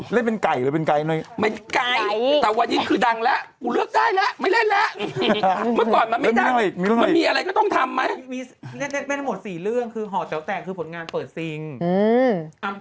แล้วก็การรักที่เกาหลีซอรี่สารังเฮยู่เคยเล่นเบ้ยชื่อเอลิซ่า